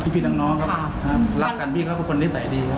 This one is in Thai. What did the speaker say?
กับพี่พี่น้องน้องครับครับครับรักกันพี่ครับเพราะคนนิสัยดีครับ